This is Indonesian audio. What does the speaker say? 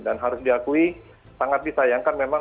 dan harus diakui sangat disayangkan